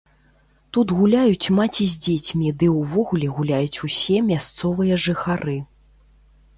Тут гуляюць маці з дзецьмі ды ўвогуле гуляюць усе мясцовыя жыхары.